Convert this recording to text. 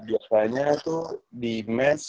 biasanya tuh di mes